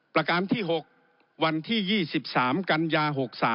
ประการที่๖วันที่๒๓กันยา๖๓